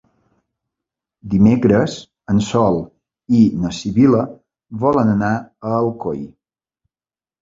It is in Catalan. Dimecres en Sol i na Sibil·la volen anar a Alcoi.